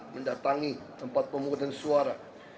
mendatangi tempat pemukutan suara